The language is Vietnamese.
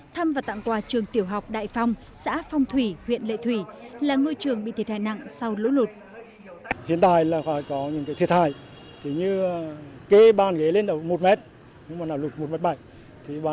thăm và tặng quà trường tiểu học đại phong xã phong thủy huyện lệ thủy là ngôi trường bị thiệt hại nặng sau lũ lụt